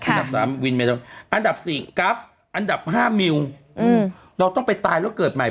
ถ้า่ว่าต้องไปตายแล้วเกิดใหม่